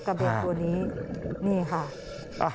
กระเบียบตัวนี้นี่ค่ะ